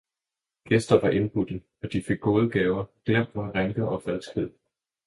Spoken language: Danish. Gjester vare indbudte, og de fik gode Gaver, glemt var Rænker og Falskhed.